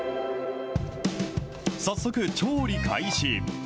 早速、調理開始。